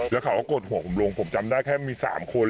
แล้วเขาก็กดหัวผมลงผมจำได้แค่มี๓คน